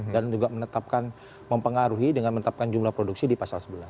dan juga menetapkan mempengaruhi dengan menetapkan jumlah produksi di pasal sebelas